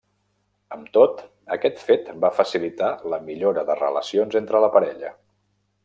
Amb tot, aquest fet va facilitar la millora de relacions entre la parella.